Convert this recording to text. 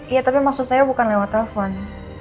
iya tapi maksud saya bukan lewat telepon